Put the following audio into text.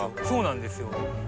そうなんですよ。